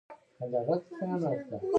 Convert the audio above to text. زما د پلار د پلار نوم څه و؟